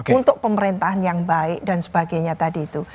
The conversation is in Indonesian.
untuk pemerintahan yang baik dan sebagainya tadi itu